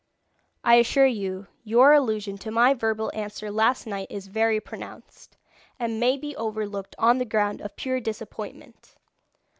"I assure you your allusion to my verbal answer last night is very pronounced, and may be overlooked on the ground of pure disappointment.